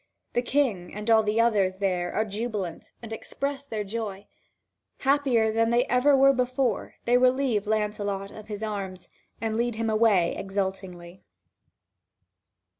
The King and all the others there are jubilant and express their joy. Happier than they ever were before, they relieve Lancelot of his arms, and lead him away exultingly.